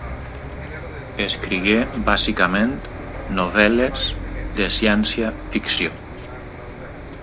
Escrigué bàsicament novel·les de ciència-ficció.